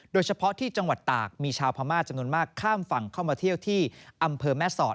โดยเฉพาะที่จังหวัดตากมีชาวพม่าจำนวนมากข้ามฝั่งเข้ามาเที่ยวที่อำเภอแม่สอด